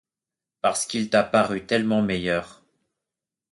Parce qu'il t'a paru tellement meilleur.